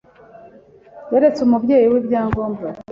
Yeretse umubyeyi we ibyangombwa